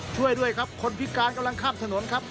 ช่วยด้วยครับคนพิการกำลังข้ามถนนครับ